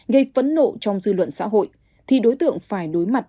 gây phấn nộ trong dư luận xã hội thì đối tượng phải đối mặt